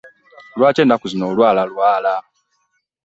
Lwaki ennaku zino olwalalwala?